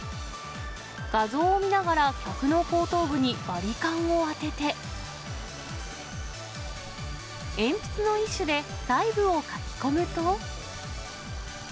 画像を見ながら、客の後頭部にバリカンを当てて、鉛筆の一種で細部を描き込むと。